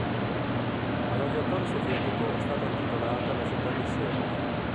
All'aviatore sovietico è stata intitolata la città di Serov.